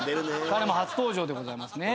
彼も初登場でございますね。